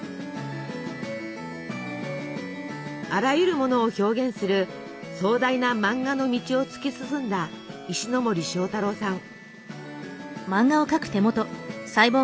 あらゆるものを表現する壮大な漫画の道を突き進んだ石森章太郎さん。